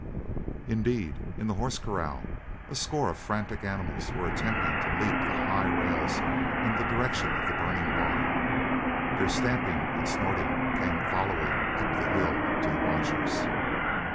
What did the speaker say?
Indeed, in the horse corral a score of frantic animals were attempting to leap the high rails in the direction of the burning barn. Their stamping and snorting came volleying up the hill to the watchers.